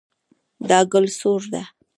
دا ګل سور ده